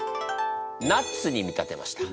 ナッツに見たてました。